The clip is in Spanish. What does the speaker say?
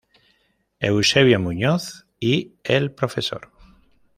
Eusebio Muñoz y el Prof.